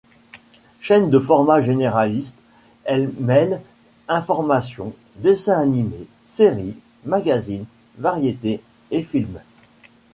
Chaîne de format généraliste, elle mêle informations, dessins animés, séries, magazines, variétés et films.